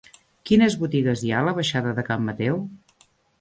Quines botigues hi ha a la baixada de Can Mateu?